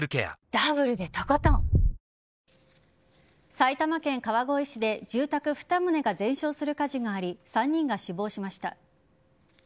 埼玉県川越市で住宅２棟が全焼する火事があり３人が死亡しました。